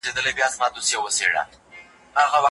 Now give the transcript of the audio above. که مسواک ووهې نو بدن به دې ډېر قوی شي.